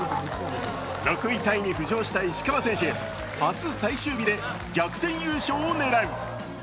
６位タイに浮上した石川選手、明日最終日で逆転優勝を狙う。